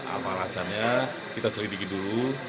apa alasannya kita selidiki dulu